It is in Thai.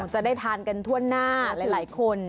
จะได้ทานกันทั่วหน้าหลายคน